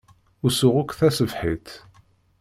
Usuɣ akk taṣebḥit.